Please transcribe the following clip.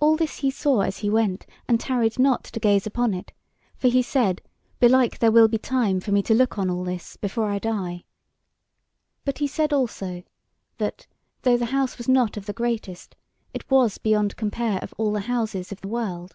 All this he saw as he went, and tarried not to gaze upon it; for he said, Belike there will be time for me to look on all this before I die. But he said also, that, though the house was not of the greatest, it was beyond compare of all houses of the world.